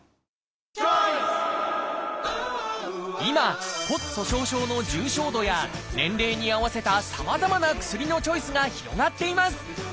今骨粗しょう症の重症度や年齢に合わせたさまざまな薬のチョイスが広がっています。